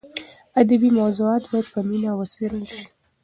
ادبي موضوعات باید په مینه وڅېړل شي.